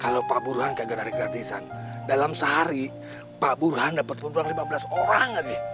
kalau pak buruhan kagak dari gratisan dalam sehari pak buruhan dapat pembunuhan lima belas orang aja